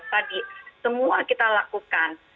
tadi semua kita lakukan